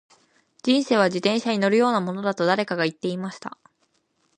•人生とは、自転車に乗るようなものだと誰かが言っていました。